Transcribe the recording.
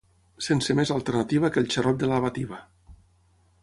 sense més alternativa que el xarop de lavativa